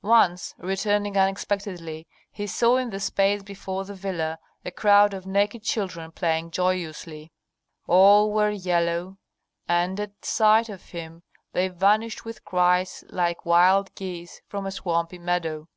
Once, returning unexpectedly, he saw in the space before the villa a crowd of naked children playing joyously. All were yellow, and at sight of him they vanished with cries like wild geese from a swampy meadow.